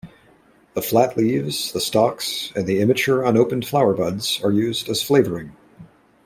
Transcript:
The flat leaves, the stalks, and immature, unopened flower buds are used as flavouring.